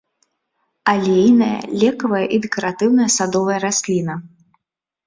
Алейная, лекавая і дэкаратыўная садовая расліна.